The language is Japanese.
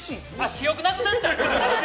記憶なくなったんかな。